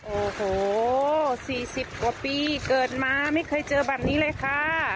โอ้โห๔๐กว่าปีเกิดมาไม่เคยเจอแบบนี้เลยค่ะ